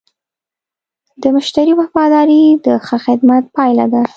د مشتری وفاداري د ښه خدمت پایله ده.